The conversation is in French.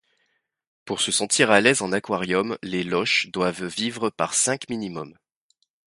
Pour se sentir à l'aise en aquarium, les loches doivent vivre par cinq minimum.